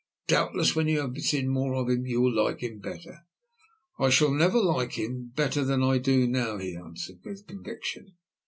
Doubtless, when you have seen more of him, you will like him better." "I shall never like him better than I do now," he answered, with conviction.